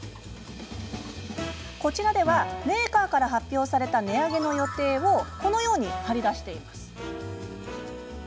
こちらでは、メーカーから発表された値上げの予定をこのように貼り出しています。